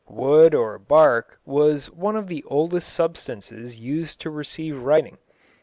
Wood or bark was one of the oldest substances used to receive writing.